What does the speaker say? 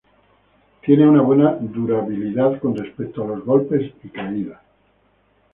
Tiene una buena durabilidad con respecto a los golpes y caídas.